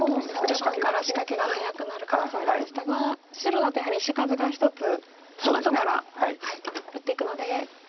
序盤から仕掛けが早くなる可能性ありましたが白だとやはり石数が１つ後から打っていくので。